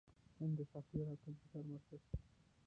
هند د سافټویر او کمپیوټر مرکز شو.